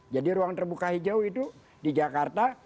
jadi ruang terbuka hijau itu di jakarta